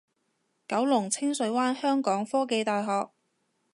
九龍清水灣香港科技大學